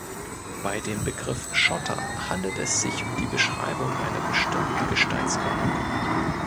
Bei dem Begriff "Schotter" handelt es sich um die Beschreibung einer bestimmten "Gesteinskörnung".